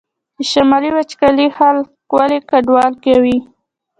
د شمال وچکالي خلک ولې کډوال کوي؟